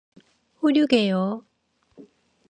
훌륭해요!